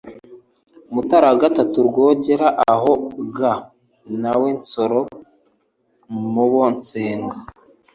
MUTARA III RWOGERA Aho ga na we Nsoro, mu bo nsenga,